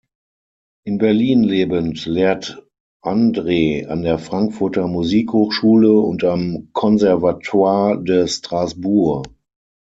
In Berlin lebend lehrt Andre an der Frankfurter Musikhochschule und am Conservatoire de Strasbourg.